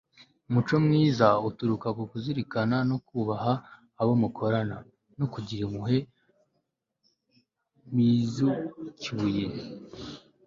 umuco mwiza uturuka ku kuzirikana, no kubaha abo mukorana, no kugira impuhwe. - biz kibuye